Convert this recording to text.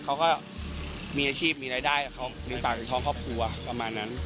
เขาก็มีอาชีพมีรายได้มีต่างจากช่องครอบครัวสำหรับนั้น